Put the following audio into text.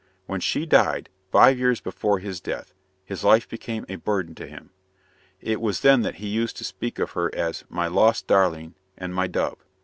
When she died, five years before his death, his life became a burden to him. It was then that he used to speak of her as "my lost darling" and "my dove."